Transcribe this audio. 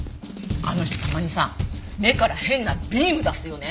あの人たまにさ目から変なビーム出すよね。